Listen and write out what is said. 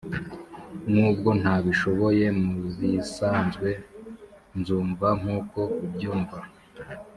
nubwo ntabishoboye, mubisanzwe nzumva nkuko ubyumva.